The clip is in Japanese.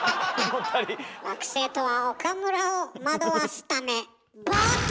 「惑星」とは岡村を惑わすため。